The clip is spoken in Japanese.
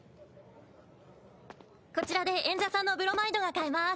こちらで演者さんのブロマイドが買えます。